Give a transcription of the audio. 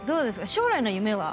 将来の夢は。